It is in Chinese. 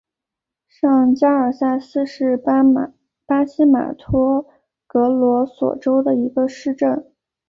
上加尔萨斯是巴西马托格罗索州的一个市镇。